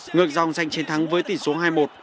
ngược dòng danh chiến thắng với tỷ số hai mươi một